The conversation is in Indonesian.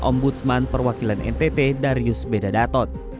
ombudsman perwakilan ntt darius beda dhaton